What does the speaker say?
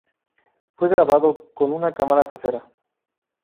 Fue grabado con una cámara casera.